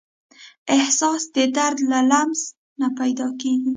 احساس د درد له لمس نه پیدا کېږي.